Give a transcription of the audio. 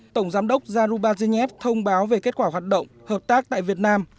tổng giám đốc zarubazhnev thông báo về kết quả hoạt động hợp tác tại việt nam